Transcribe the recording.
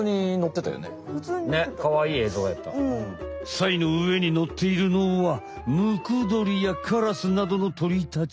サイの上に乗っているのはムクドリやカラスなどの鳥たち。